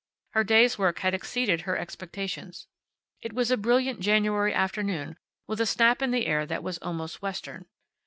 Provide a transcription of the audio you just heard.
Her day's work had exceeded her expectations. It was a brilliant January afternoon, with a snap in the air that was almost western.